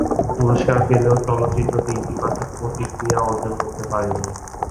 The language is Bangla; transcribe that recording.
পুরস্কার পেলেও চলচ্চিত্রটি ইতিবাচক প্রতিক্রিয়া অর্জন করতে পারেনি।